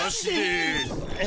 え？